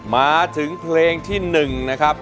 มาถึงเพลงที่๑นะครับ